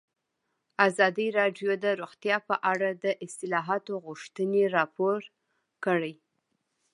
ازادي راډیو د روغتیا په اړه د اصلاحاتو غوښتنې راپور کړې.